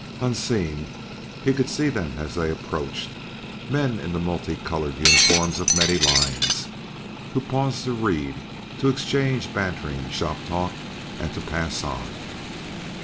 Unseen, he could see them as they approached: men in the multicolored uniforms of many lines, who paused to read, to exchange bantering shop talk and to pass on.